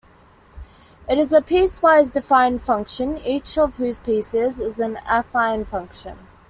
It is a piecewise-defined function, each of whose pieces is an affine function.